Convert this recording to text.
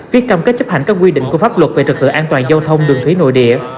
viết cam kết chấp hành các quy định của pháp luật về trật tự an toàn giao thông đường thủy nội địa